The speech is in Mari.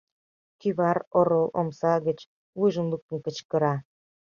Кӱвар орол омса гыч вуйжым луктын кычкыра: